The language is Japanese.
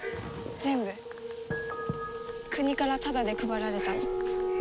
全部国からタダで配られたの。